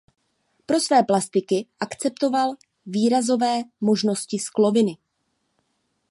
Pro své plastiky akceptoval výrazové možnosti skloviny.